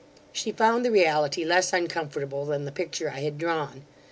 She found the reality less uncomfortable than the picture I had drawn.